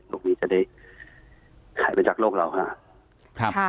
พวกนี้จะได้หายไปจากโลกเราค่ะ